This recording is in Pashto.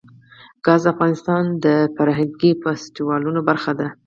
ګاز د افغانستان د فرهنګي فستیوالونو برخه ده.